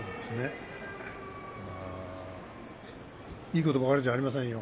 いいことばかりじゃありませんよ